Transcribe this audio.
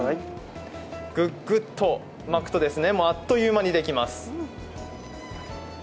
ググっと巻くとあっという間にできます。